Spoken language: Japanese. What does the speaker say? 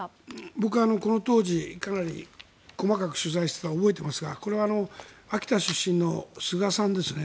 僕はこの当時かなり細かく取材していたのを覚えていますがこれは秋田出身の菅さんですね。